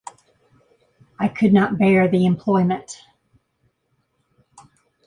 I could not bear the employment.